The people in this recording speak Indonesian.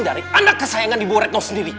dari anak kesayangan di bu retno sendiri